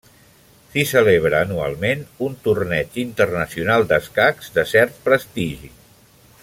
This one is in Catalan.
S'hi celebra anualment un torneig internacional d'escacs de cert prestigi.